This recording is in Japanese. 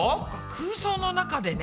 空想の中でね。